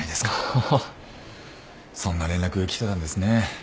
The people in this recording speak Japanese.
そんな連絡来てたんですね。